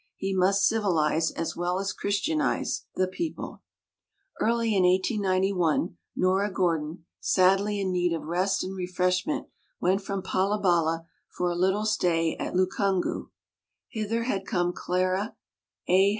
He. must civilize, as well as Christianize, the people." Early in 1891 Nora Gordon, sadly in need of rest and refreshment, went from Pala bala for a little stay at Lukungu. Hither had come Clara t A.